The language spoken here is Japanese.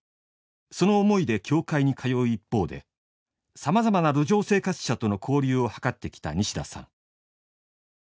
その思いで教会に通う一方でさまざまな路上生活者との交流を図ってきた西田さん。